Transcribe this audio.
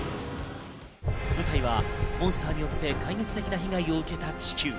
舞台はモンスターによって壊滅的な被害を受けた地球。